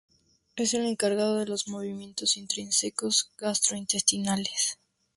Es el encargado de los movimientos intrínsecos gastrointestinales.